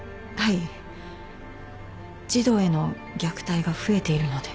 児童への虐待が増えているので。